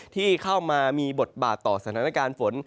ที่เข้ามามีบทบาทต่อสถานการณ์ฝน